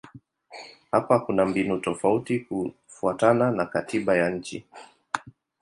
Hapa kuna mbinu tofauti kufuatana na katiba ya nchi.